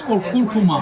ini untuk kulfuma